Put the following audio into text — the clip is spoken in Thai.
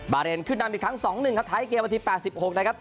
เรนขึ้นนำอีกครั้ง๒๑ครับท้ายเกมนาที๘๖นะครับ